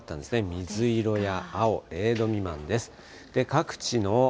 水色や青、０度未満です。